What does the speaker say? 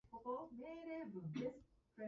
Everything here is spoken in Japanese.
今日の調子はどう？